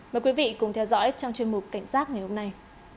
mời quý vị cùng theo dõi trong chuyên mục cảnh giác ngày hôm nay